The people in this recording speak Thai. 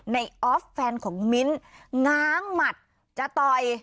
ออฟแฟนของมิ้นง้างหมัดจะต่อย